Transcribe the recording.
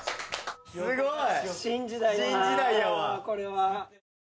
すごい！